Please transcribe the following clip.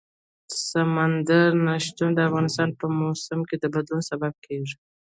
سمندر نه شتون د افغانستان د موسم د بدلون سبب کېږي.